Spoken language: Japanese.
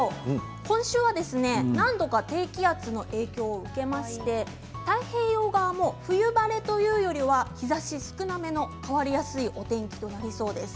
今週は何度か低気圧の影響を受けまして太平洋側も冬晴れというよりは日ざし少なめの変わりやすいお天気となりそうです。